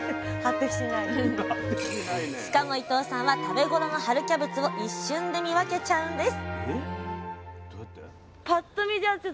しかも伊藤さんは食べ頃の春キャベツを一瞬で見分けちゃうんです